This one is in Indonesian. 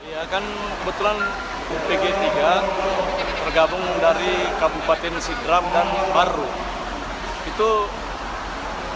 ya kan kebetulan upt tiga tergabung dari kabupaten